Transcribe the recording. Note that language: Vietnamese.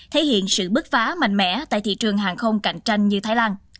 thể hiện sự bức phá mạnh mẽ tại thị trường hàng không cạnh tranh như thái lan